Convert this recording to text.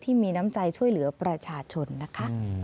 ที่มีน้ำใจช่วยเหลือประชาชนนะคะ